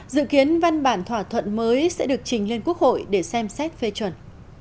dự kiến văn bản thỏa thuận mới sẽ được trình lên quốc hội để xem xét phê chuẩn